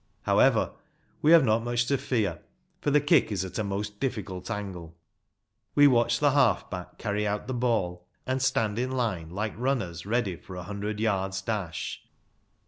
However, we have not much to fear, for the kick is at a most difficult angle. We watch the half back carry out the ball, and stand in line like runners ready for a hundred yards' dash.